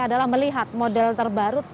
adalah melihat model tersebut